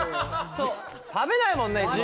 食べないもんねいつも。